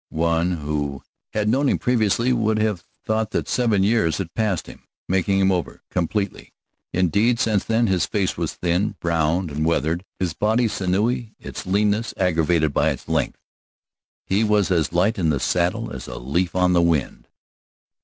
One who had known him previously would have thought that seven years had passed him, making him over completely, indeed, since then. His face was thin, browned and weathered, his body sinewy, its leanness aggravated by its length. He was as light in the saddle as a leaf on the wind.